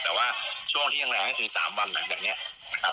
แต่ว่าช่วงที่ยังแรงก็คือ๓วันหลังจากนี้นะครับ